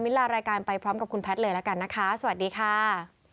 ลารายการไปพร้อมกับคุณแพทย์เลยละกันนะคะสวัสดีค่ะ